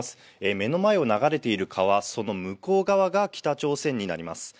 目の前を流れている川、その向こう側が、北朝鮮になります。